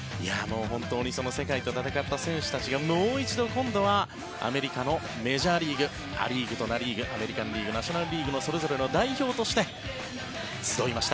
その世界と戦った選手たちがもう一度、今度はアメリカのメジャーリーグア・リーグとナ・リーグアメリカン・リーグとナショナル・リーグのそれぞれの代表として集いました